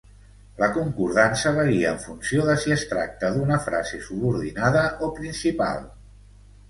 La concordança varia en funció de si es tracta d'una frase subordinada o principal.